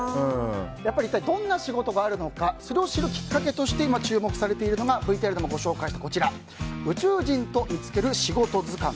どんな仕事があるのかそれを知るきっかけとして今、注目されているのがＶＴＲでもご紹介した「宇宙人とみつける仕事図鑑」。